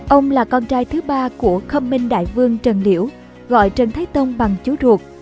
ông là con trai thứ ba của khâm minh đại vương trần liễu gọi trần thái tông bằng chú ruột